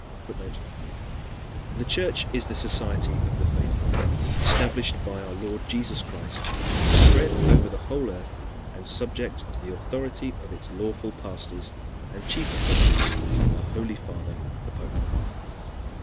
[Footnote: "The Church is the society of the faithful, established by our Lord Jesus Christ, spread over the whole earth, and subject to the authority of its lawful pastors, and chief of them our Holy Father the Pope."